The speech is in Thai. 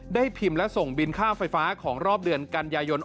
พิมพ์และส่งบินค่าไฟฟ้าของรอบเดือนกันยายน